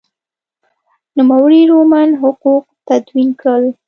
نوموړي رومن حقوق تدوین کړل.